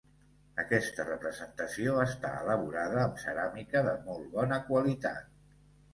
Aquesta representació està elaborada amb ceràmica de molt bona qualitat.